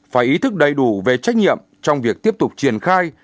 phải ý thức đầy đủ về trách nhiệm trong việc tiếp tục triển khai